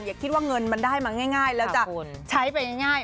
อย่าคิดว่าเงินมันได้มาง่ายแล้วจะใช้ไปง่าย